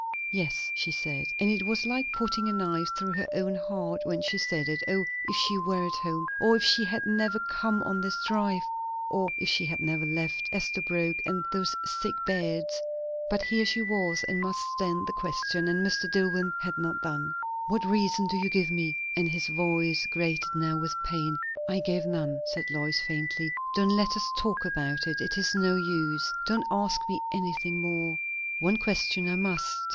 _" "Yes," she said. And it was like putting a knife through her own heart when she said it. O, if she were at home! O, if she had never come on this drive! O, if she had never left Esterbrooke and those sick beds! But here she was, and must stand the question; and Mr. Dillwyn had not done. "What reason do you give me?" and his voice grated now with pain. "I gave none," said Lois faintly. "Don't let us talk about it! It is no use. Don't ask me anything more!" "One question I must.